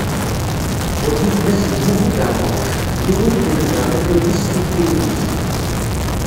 Wagi d Mass Lmuhub Ɛemruc, d yiwen i ineǧren abrid-is s tektiwin-is.